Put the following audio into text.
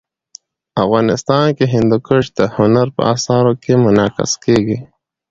افغانستان کي هندوکش د هنر په اثارو کي منعکس کېږي.